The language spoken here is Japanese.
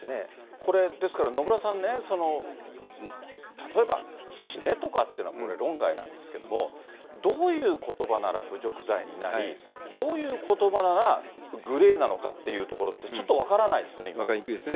これ、ですから、野村さんね、その例えば、死ねとかっていうのはこれ、論外なんですけども、どういうことばなら侮辱罪になり、どういうことばならグレーなのかっていうところって、ちょっと分分かりにくいですね、